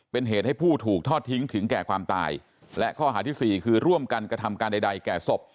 เป็นเหตุให้ผู้ถูกทอดทิ้งถึงแก่ความตายและข้อหาที่สี่คือร่วมกันกระทำการใดใดแก่ศพ